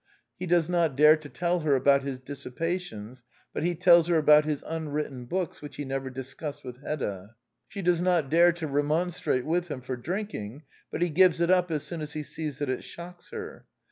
He does not dare to tell her about his dissipations ; but he tells her about his unwritten books, which he never discussed with Hedda. She does not dare to remonstrate with him for drinking; but he gives it up as soon as he sees that it shocks her.